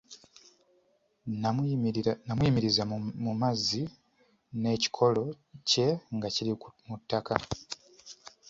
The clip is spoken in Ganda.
N'amuyimiriza mu mazzi n'ekikolo kye nga kiri mu ttaka.